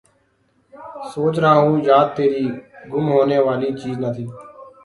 سوچ رہا ہوں یاد تیری، گم ہونے والی چیز نہ تھی